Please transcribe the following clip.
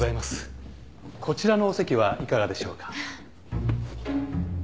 こちらのお席はいかがでしょうか。